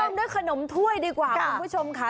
เริ่มด้วยขนมถ้วยดีกว่าคุณผู้ชมค่ะ